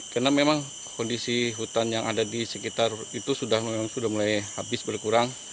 karena memang kondisi hutan yang ada di sekitar itu sudah mulai habis berkurang